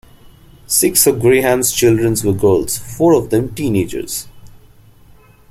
Six of Graham's children were girls, four of them teenagers.